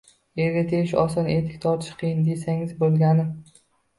Erga tegish oson, etik tortish qiyin, desangiz bo`lgani